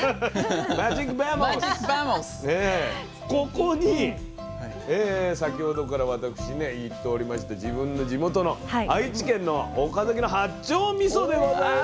ここに先ほどから私ね言っておりました自分の地元の愛知県の岡崎の八丁みそでございます。